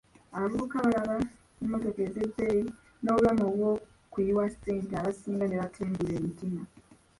Abavubuka balaba mmotoka ez’ebbeeyi n’obulamu obw'okuyiwa ssente abasinga ne batengulwa emitima.